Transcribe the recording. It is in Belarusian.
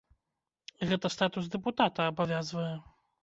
Гэта статус дэпутата абавязвае?